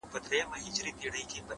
هره پرېکړه راتلونکی جوړوي’